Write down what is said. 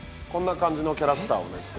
こんな感じのキャラクターをね